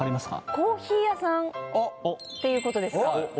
コーヒー屋さんっていうことですか？